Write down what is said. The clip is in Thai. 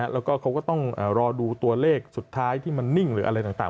แล้วก็เขาก็ต้องรอดูตัวเลขสุดท้ายที่มันนิ่งหรืออะไรต่าง